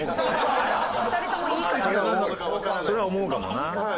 それは思うかもな。